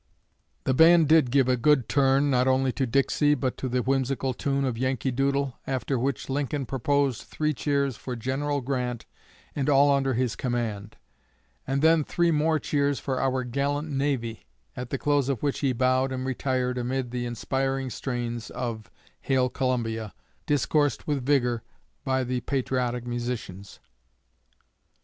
The band did give "a good turn" not only to "Dixie," but to the whimsical tune of "Yankee Doodle," after which Lincoln proposed three cheers for General Grant and all under his command; and then "three more cheers for our gallant navy," at the close of which he bowed and retired amid the inspiring strains of "Hail Columbia" discoursed with vigor by the patriotic musicians.